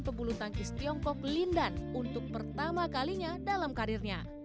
pebulu tangkis tiongkok lindan untuk pertama kalinya dalam karirnya